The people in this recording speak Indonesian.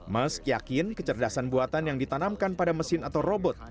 meski yakin kecerdasan buatan yang ditanamkan pada mesin atau robot